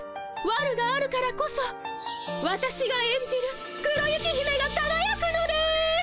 わるがあるからこそわたしが演じる黒雪姫がかがやくのです！